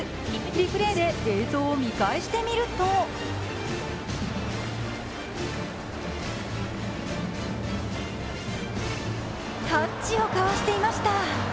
リプレーで映像を見返してみるとタッチをかわしていました。